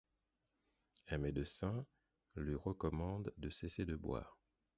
Un médecin lui recommande de cesser de boire.